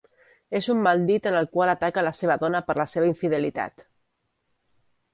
És un maldit en el qual ataca la seva dona per la seva infidelitat.